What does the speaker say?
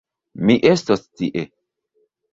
Mi estos tie.